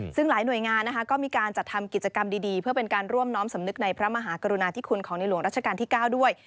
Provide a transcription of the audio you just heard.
ซึ่งหลายหน่วยงานนะคะก็มีการจัดทำกิจกรรมดีเพื่อเป็นการร่วมน้อมสำนึกในพระมหากรุณาธิคุณของในหลวงรัชกาลที่๙ด้วย